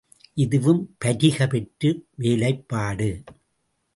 இதுவும் பரிக பெற்ற வேலைப்பாடு.